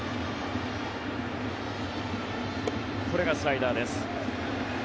これがスライダーです。